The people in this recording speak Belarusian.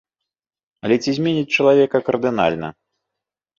Але ці зменяць чалавека кардынальна?